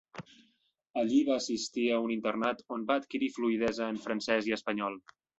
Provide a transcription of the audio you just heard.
Allí va assistir a un internat on va adquirir fluïdesa en francès i espanyol.